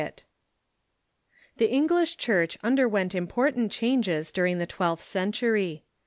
] The English Church underwent important changes during the twelfth century.